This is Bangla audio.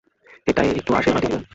এটায় একটু আশীর্বাদ দিয়ে দেবেন?